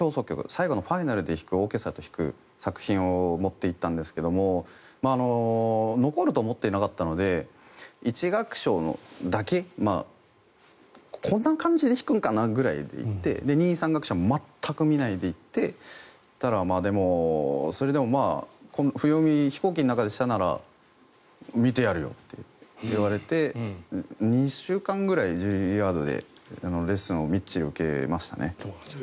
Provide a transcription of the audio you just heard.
最後のファイナルでオーケストラと弾く作品を持っていったんですけど残ると思っていなかったので１楽章だけこんな感じで弾くのかなみたいな感じで行って２、３楽章も全く見ないで行ってでも、それでも譜読みを飛行機の中でしたなら見てやると言われて２週間ぐらいジュリアードでレッスンをみっちり受けましたね。